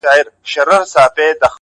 زړه په پیوند دی”